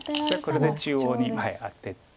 これで中央にアテて。